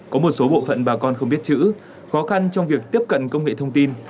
có một số bộ phận bà con không biết chữ khó khăn trong việc tiếp cận công nghệ thông tin